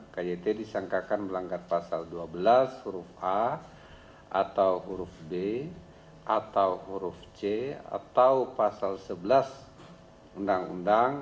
kyt disangkakan melanggar pasal dua belas huruf a atau huruf d atau huruf c atau pasal sebelas undang undang